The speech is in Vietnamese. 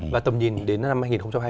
và tầm nhìn đến năm hai nghìn hai mươi